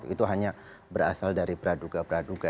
itu hanya berasal dari beraduga beraduga